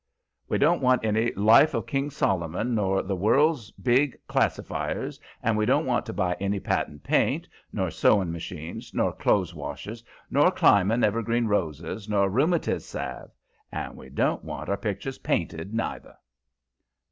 "We don't want any 'Life of King Solomon' nor 'The World's Big Classifyers.' And we don't want to buy any patent paint, nor sewing machines, nor clothes washers, nor climbing evergreen roses, nor rheumatiz salve. And we don't want our pictures painted, neither."